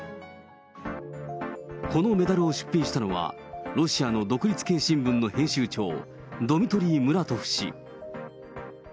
このメダルを出品したのは、ロシアの独立系新聞の編集長、ドミトリー・ムラトフ氏。